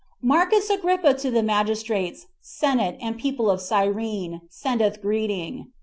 5. "Marcus Agrippa to the magistrates, senate, and people of Cyrene, sendeth greeting.